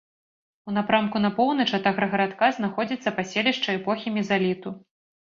У напрамку на поўнач ад аграгарадка знаходзіцца паселішча эпохі мезаліту.